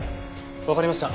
わかりました。